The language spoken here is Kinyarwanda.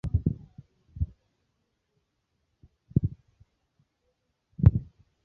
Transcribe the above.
Arasa neza. Agomba kuba yaraye yasinze cyane.